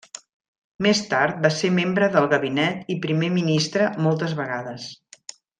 Més tard va ser membre del gabinet i Primer Ministre moltes vegades.